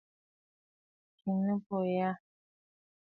Kɛ̀ʼɛ nɨbuʼu nyâ.